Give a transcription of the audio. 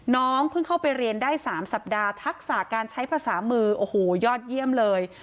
น้องเพิ่งเข้าไปเรียนได้๓สัปดาห์ทักษะการใช้ภาษามือโอ้โหยอดเยี่ยมเลย